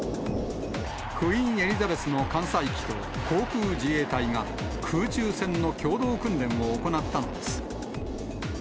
クイーン・エリザベスの艦載機と航空自衛隊が、空中戦の共同訓練を行ったのです。